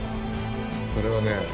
それはね